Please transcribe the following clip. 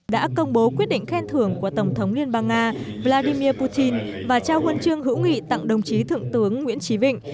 đã công bố quyết định khen thưởng của tổng thống liên bang nga vladimir putin và trao huân chương hữu nghị tặng đồng chí thượng tướng nguyễn trí vịnh